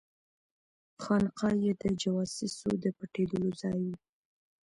خانقاه یې د جواسیسو د پټېدلو ځای وو.